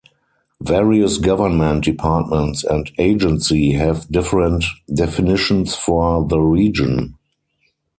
Various Government Departments and agencies have different definitions for the region.